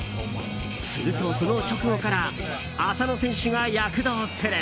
すると、その直後から浅野選手が躍動する。